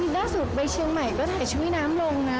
ล่าสุดไปเชียงใหม่ก็ถ่ายชุดว่ายน้ำลงนะ